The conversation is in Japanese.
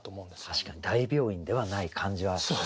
確かに大病院ではない感じはありますね。